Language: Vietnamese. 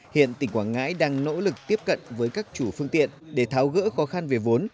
hiện tỉnh quảng ngãi đang nỗ lực tiếp cận với các chủ phương tiện để tháo gỡ khó khăn về vốn